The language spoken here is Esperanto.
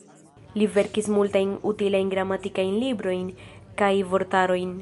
Li verkis multajn utilajn gramatikajn librojn kaj vortarojn.